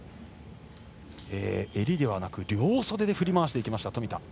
襟ではなく両袖で振り回していきました、冨田。